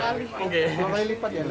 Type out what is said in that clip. harga lipat ya lagi